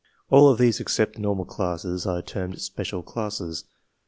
* !ill of these except the normal classes are termed "Special Classes."